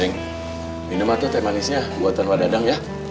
neng minum aja teh manisnya buatan wadadang ya